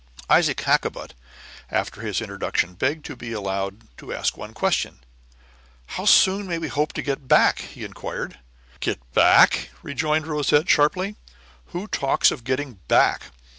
Isaac Hakkabut, after his introduction, begged to be allowed to ask one question. "How soon may we hope to get back?" he inquired. "Get back!" rejoined Rosette, sharply; "who talks of getting back?